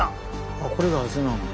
あっこれが汗なんだ。